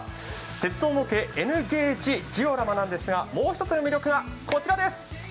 鉄道模型・Ｎゲージジオラマなんですがもう１つの魅力がこちらです。